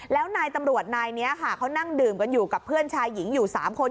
แล้วนายตำรวจนายนี้ค่ะเขานั่งดื่มกันอยู่กับเพื่อนชายหญิงอยู่๓คน